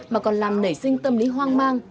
mà còn làm nảy sinh tâm lý hoang mang